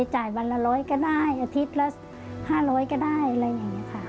จ่ายวันละ๑๐๐ก็ได้อาทิตย์ละ๕๐๐ก็ได้อะไรอย่างนี้ค่ะ